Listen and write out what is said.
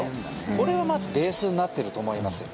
これがまずベースになっていると思います。